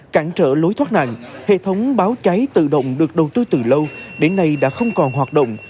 cản trở lối thoát nạn hệ thống báo cháy tự động được đầu tư từ lâu đến nay đã không còn hoạt động